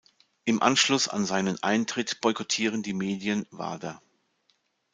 Im Anschluss an seinen Eintritt boykottieren die Medien Wader.